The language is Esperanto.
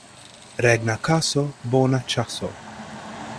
Regna kaso — bona ĉaso.